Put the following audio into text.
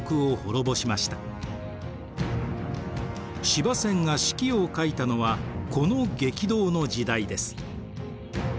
司馬遷が「史記」を書いたのはこの激動の時代です。